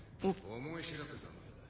思い知らせたんだ。